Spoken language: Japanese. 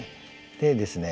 でですね